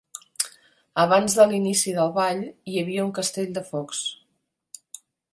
Abans de l'inici del ball hi havia un castell de focs.